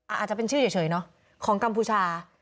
อาจจะเป็นชื่อเฉยเนาะของกัมพูชา